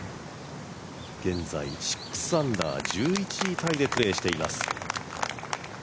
現在６アンダー、１１位タイでプレーしています。